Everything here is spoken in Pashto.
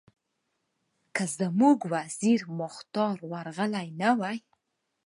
که زموږ وزیر مختار ورغلی نه وای.